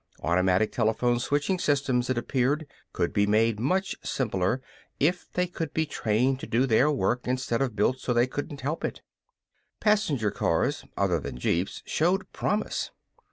Automatic telephone switching systems, it appeared, could be made much simpler if they could be trained to do their work instead of built so they couldn't help it. Passenger cars other than jeeps showed promise.